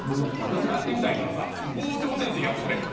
やってみたいからさ校長先生やってくれへん？